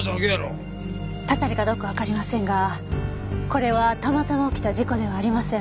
たたりかどうかわかりませんがこれはたまたま起きた事故ではありません。